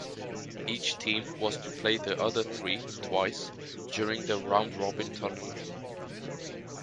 Each team was to play the other three twice during the round robin tournament.